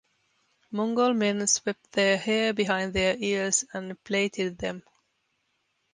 Mongol men swept their hair behind their ears and plaited them.